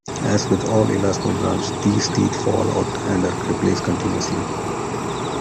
As with all elasmobranchs, these teeth fall out and are replaced continuously.